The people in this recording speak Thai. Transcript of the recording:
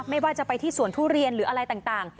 ไม่ว่าจะไปที่สวนทุเรียนหรืออะไรต่าง